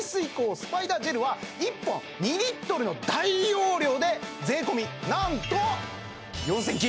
スパイダージェルは１本２リットルの大容量で税込なんとえーっ！